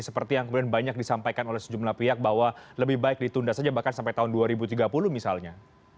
seperti yang kemudian banyak disampaikan oleh sejumlah pihak bahwa lebih baik ditunda saja bahkan sampai tahun dua ribu tiga puluh misalnya